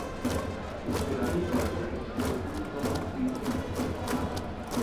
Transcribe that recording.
انفرادی طور پر ہندسوں کی چھٹائی کریں